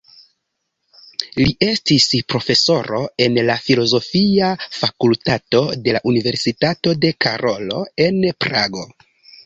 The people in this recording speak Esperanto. Li estis profesoro en la Filozofia fakultato de la Universitato de Karolo en Prago.